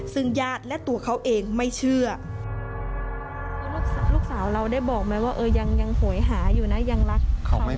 ซึ่งญาติและตัวเขาเองไม่เชื่อ